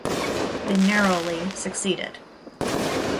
They narrowly succeeded.